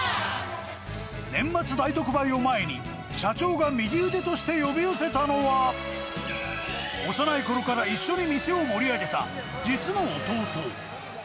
年末大特売を前に、社長が右腕として呼び寄せたのは、幼いころから一緒に店を盛り上げた実の弟。